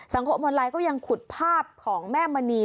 สังคมออนไลน์ก็ยังขุดภาพของแม่มณี